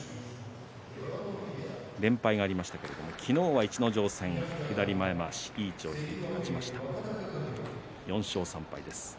連敗がありましたけれども昨日は逸ノ城戦左前まわし、いい位置を引いて出ました。